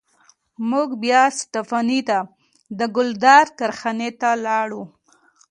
موږ بیا سټپني ته د ګیلډر کارخانې ته لاړو.